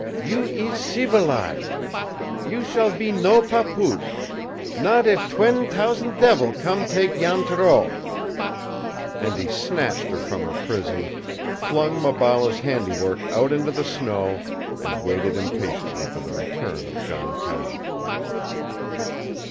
"You ees ceevilize! You shall be no papoose not if twen' t'ous'nd devil come tak Jan Thoreau!" And he snatched her from her prison, flung Maballa's handiwork out into the snow, and waited impatiently for the return of John Cummins.